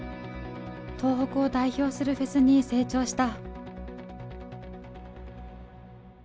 東北を代表するフェスに成長した。